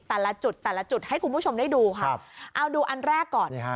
แต่ละจุดแต่ละจุดให้คุณผู้ชมได้ดูค่ะเอาดูอันแรกก่อน